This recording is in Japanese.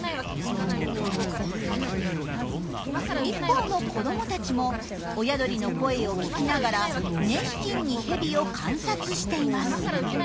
一方の子どもたちも親鳥の声を聞きながら熱心にヘビを観察しています。